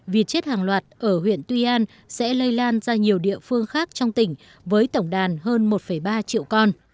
vị chết hàng loạt ở huyện tuy an sẽ lây lan ra nhiều địa phương khác trong tỉnh với tổng đàn hơn một ba triệu con